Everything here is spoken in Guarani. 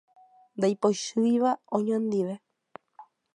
Ndaipochýiva oñondive.